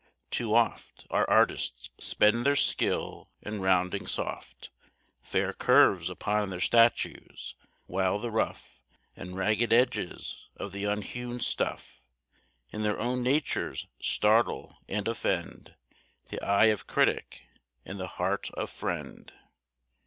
Too oft Our artists spend their skill in rounding soft Fair curves upon their statues, while the rough And ragged edges of the unhewn stuff In their own natures startle and offend The eye of critic and the heart of friend.